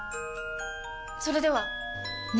それでは！